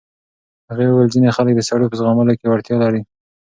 هغې وویل ځینې خلک د سړو په زغملو کې وړتیا لري.